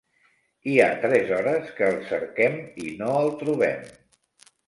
Hi ha tres hores que el cerquem i no el trobem.